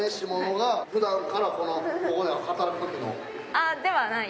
あではない。